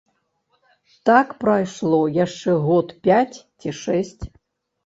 Так прайшло яшчэ год пяць ці шэсць.